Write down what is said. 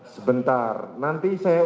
sebentar nanti saya